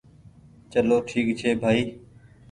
چلو ٺيڪ ڇي ڀآئي